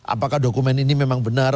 apakah dokumen ini memang benar